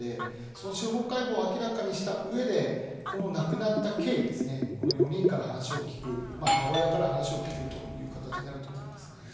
司法解剖で明らかにした上で亡くなった経緯４人から話を聞く母親から話を聞くということになると思います。